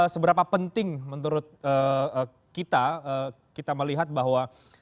seberapa penting menurut kita kita melihat bahwa